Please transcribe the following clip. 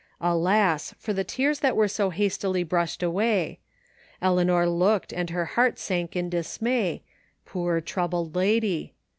Alas, for the tears that were so hastily brushed away. Eleanor looked and her heart sank in dismay, poor, troubled lady.